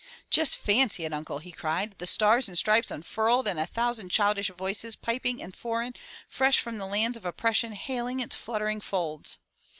Just fancy it, uncle!" he cried. "The Stars and Stripes unfurled, and a thousand childish voices, piping and foreign, fresh from the lands of oppression, hailing its fluttering folds.